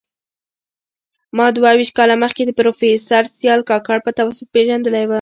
ما دوه ویشت کاله مخکي د پروفیسر سیال کاکړ په توسط پېژندلی و